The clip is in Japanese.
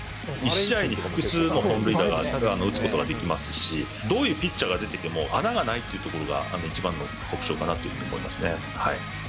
１試合に複数の本塁打を打つことができますし、どういうピッチャーが出てきても、穴がないっていうところが一番の特徴かなというふうに思いますね。